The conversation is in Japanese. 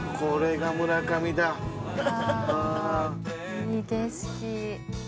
いい景色。